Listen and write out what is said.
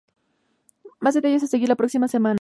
Más detalles a seguir la próxima semana".